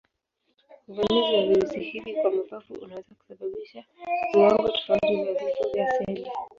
Uvamizi wa virusi hivi kwa mapafu unaweza kusababisha viwango tofauti vya vifo vya seli.